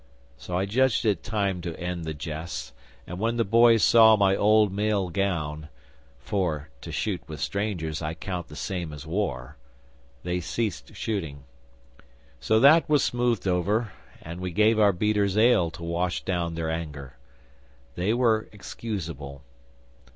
so I judged it time to end the jests, and when the boys saw my old mail gown (for, to shoot with strangers I count the same as war), they ceased shooting. So that was smoothed over, and we gave our beaters ale to wash down their anger. They were excusable!